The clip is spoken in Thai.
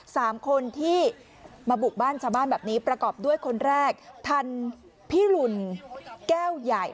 สามคนที่มาบุกบ้านชาวบ้านแบบนี้ประกอบด้วยคนแรกทันพิรุณแก้วใหญ่